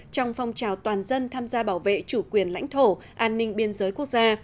trong phong trào toàn dân tham gia bảo vệ chủ quyền lãnh thổ an ninh biên giới quốc gia